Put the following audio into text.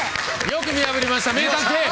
よく見破りました名探偵！